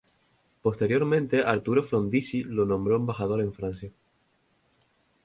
Posteriormente Arturo Frondizi lo nombró embajador en Francia.